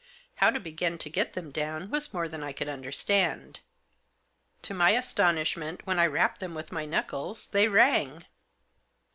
How to begin to get them down was more than I could understand. To my astonishment, when I rapped them with my knuckles, they rang.